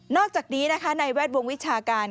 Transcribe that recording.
อกจากนี้นะคะในแวดวงวิชาการ